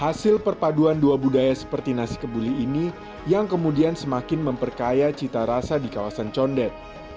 hasil perpaduan dua budaya seperti nasi kebuli ini yang kemudian semakin memperkaya cita rasa di kawasan condet